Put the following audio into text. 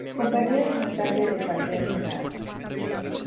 Compañera infaltable del paseo serrano.